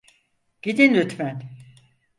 Gidin lütfen.